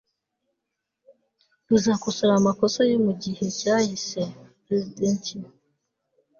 ruzakosora amakosa yo mu gihe cyahise pr sidentiel